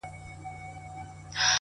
ستادی !!ستادی!!ستادی فريادي گلي!!